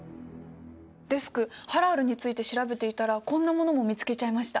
デスクハラールについて調べていたらこんなものも見つけちゃいました。